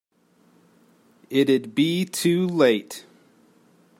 It'd be too late.